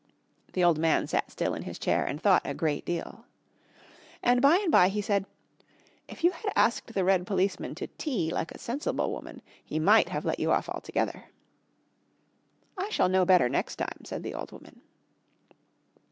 The old man sat still in his chair and thought a great deal. And by and by he said, "If you had asked the red policeman to tea like a sensible woman he might have let you off altogether." "I shall know better next time," said the old woman.